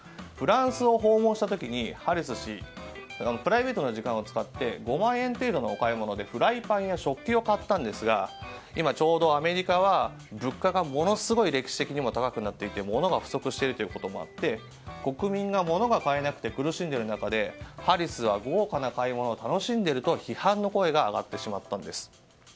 フランスを訪問した時にハリス氏プライベートな時間を使って５万円程度の買い物でフライパンや食器を買ったんですが今、ちょうどアメリカは物価がものすごい歴史的にも高くなっていてものが不足しているということもあって国民がものを変えなくて苦しんでいる中でハリスは豪華な買い物を楽しんでいると批判の声が上がってしまったんです。